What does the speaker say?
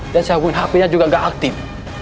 dia mencabungkan hp nya juga tidak aktif